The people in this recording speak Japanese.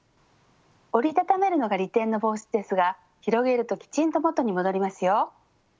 折りたためるのが利点の帽子ですが広げるときちんと元に戻りますよ。